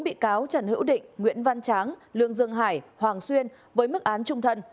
bốn bị cáo trần hữu định nguyễn văn tráng lương dương hải hoàng xuyên với mức án trung thân